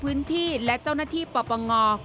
พบเป็นบ้านเดี่ยว๒ชั้นจำนวน๒หลังอยู่ในพื้นที่เดียวกัน